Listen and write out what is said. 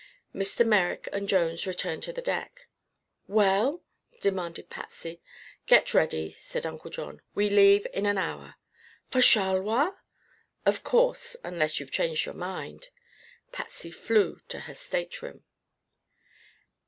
Mr. Merrick and Jones returned to the deck. "Well?" demanded Patsy. "Get ready," said Uncle John; "we leave in an hour." "For Charleroi?" "Of course; unless you've changed your mind." Patsy flew to her stateroom.